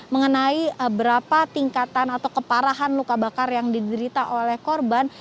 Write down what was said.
mengenai berapa tingkatan atau keparahan luka bakar yang diderita oleh korban